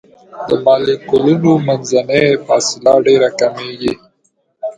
د مالیکولونو منځنۍ فاصله ډیره کمیږي.